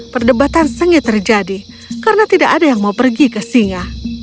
perdebatan sengit terjadi karena tidak ada yang mau pergi ke singa